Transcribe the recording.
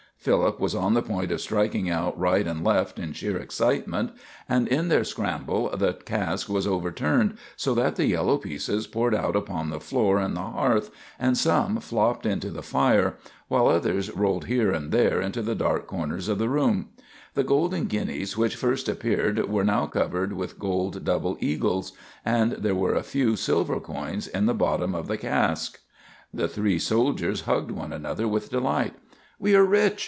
Philip was on the point of striking out right and left in sheer excitement; and in their scramble the cask was overturned so that the yellow pieces poured out upon the floor and the hearth, and some flopped into the fire, while others rolled here and there into the dark corners of the room. The golden guineas which first appeared were now covered with gold double eagles, and there were a few silver coins in the bottom of the cask. [Illustration: "THE CASK WAS OVERTURNED SO THAT THE YELLOW PIECES POURED OUT UPON THE FLOOR."] The three soldiers hugged one another with delight. "We are rich!"